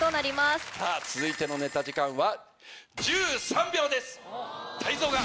続いてのネタ時間は。